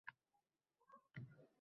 Dilimga qorong`i tun cho`kkan